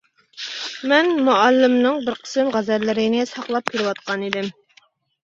مەن مۇئەللىمنىڭ بىر قىسىم غەزەللىرىنى ساقلاپ كېلىۋاتقانىدىم.